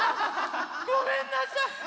ごめんなさい。